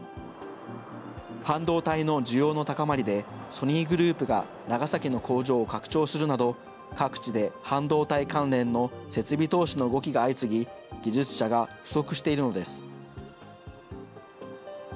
半導体の需要の高まりで、ソニーグループが長崎の工場を拡張するなど、各地で半導体関連の設備投資の動きが相次ぎ、技術者が不足しているのです。